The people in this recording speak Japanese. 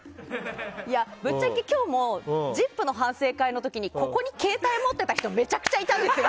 ぶっちゃけ今日も「ＺＩＰ！」の反省会の時にここに携帯持ってた人めちゃくちゃいたんですよ。